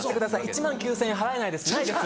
１万９０００円払えないですないです。